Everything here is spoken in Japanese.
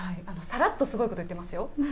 さらっとすごいこと言ってますよ。